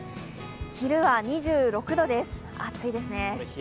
昼は２６度です、暑いです。